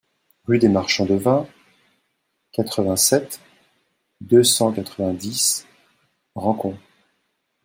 Rue des Marchands de Vin, quatre-vingt-sept, deux cent quatre-vingt-dix Rancon